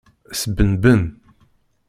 Sbenben.